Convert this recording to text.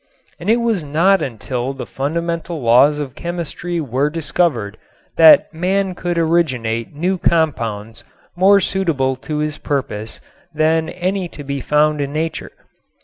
And it was not until the fundamental laws of chemistry were discovered that man could originate new compounds more suitable to his purpose than any to be found in nature.